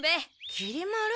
きり丸。